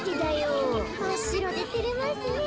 まっしろでてれますね。